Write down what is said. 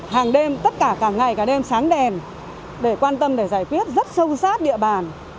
hàng đêm tất cả cả ngày cả đêm sáng đèn để quan tâm để giải quyết rất sâu sát địa bàn